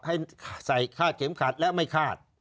ให้ใส่คาดเข็มขัดและไม่คาด